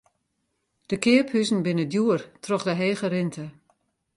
De keaphuzen binne djoer troch de hege rinte.